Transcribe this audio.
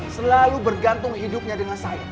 selalu bergantung hidupnya dengan saya